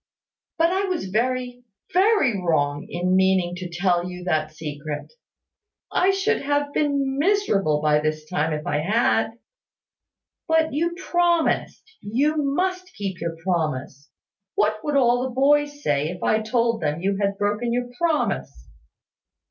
But I was very, very wrong in meaning to tell you that secret. I should have been miserable by this time if I had." "But you promised. You must keep your promise. What would all the boys say, if I told them you had broken your promise?"